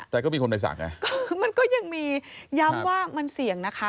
แต่ก็มีคนไปศักดิ์มันก็ยังมีย้ำว่ามันเสี่ยงนะคะ